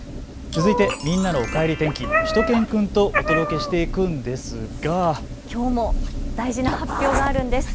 続いてみんなのおかえり天気、しゅと犬くんとお届けしていくんですが、きょう大事な発表があるんです。